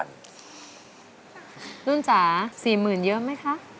ลุ้นจ๋า๔หมื่นเยอะไหมคะ